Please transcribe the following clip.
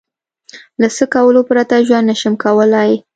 له څه کولو پرته ژوند نشم کولای؟